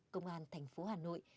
công an tp hà nội